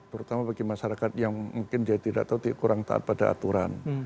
terutama bagi masyarakat yang mungkin dia tidak tahu kurang taat pada aturan